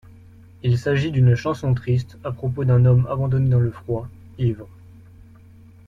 Il s'agit d'une chanson triste à propos d'un homme abandonné dans le froid, ivre.